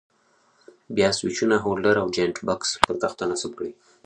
بیا سویچونه، هولډر او جاینټ بکس پر تخته نصب کړئ.